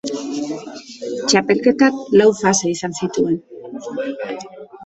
Txapelketak lau fase izan zituen.